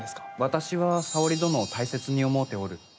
私は沙織殿を大切に思うておる。